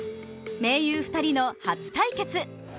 盟友２人の初対決。